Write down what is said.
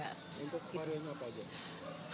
untuk variannya apa saja